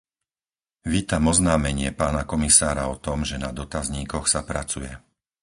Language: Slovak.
Vítam oznámenie pána komisára o tom, že na dotazníkoch sa pracuje.